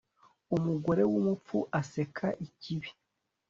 umugore w'umupfu aseka ikibi